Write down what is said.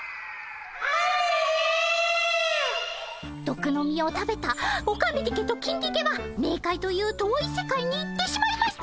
どくの実を食べたオカメディケとキンディケはメーカイという遠い世界に行ってしまいました